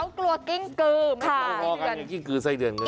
เกราะอย่างนี้กลิ้งกลือไส้เดือนเมือง